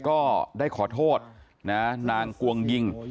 ก็ได้ขอโทษนะนางกวงยิง